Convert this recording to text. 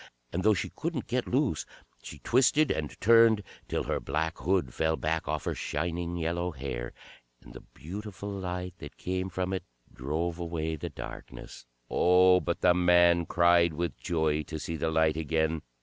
And though she couldn't get loose, she twisted and turned, till her black hood fell back off her shining yellow hair, and the beautiful light that came from it drove away the darkness. Oh, but the man cried with joy to see the light again.